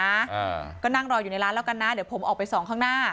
อ่าก็นั่งรออยู่ในร้านแล้วกันนะเดี๋ยวผมออกไปสองข้างหน้า